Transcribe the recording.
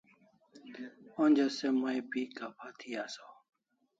Onja se mai pi kapha thi asaw